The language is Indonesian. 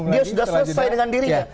dia sudah selesai dengan dirinya